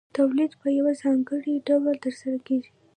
تولید په یو ځانګړي ډول ترسره کېږي